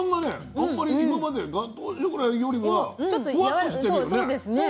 あんまり今までガトーショコラよりはふわっとしてるよね。